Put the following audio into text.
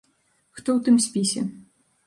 Хто ў тым спісе?